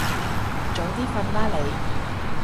早啲瞓啦你